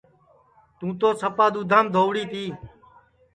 تُوں تو سپا دُؔؔودھام دہؤڑی تی